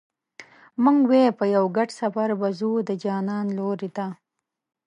موږ وې په یو ګډ سفر به ځو د جانان لوري ته